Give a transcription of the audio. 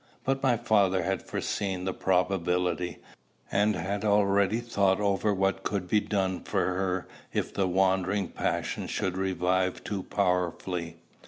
But my father had foreseen the probability, and had already thought over what could be done for her if the wandering passion should revive too powerfully.